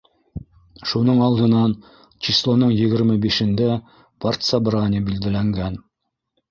Шуның алдынан, числоның егерме бишендә, партсобрание билдәләнгән.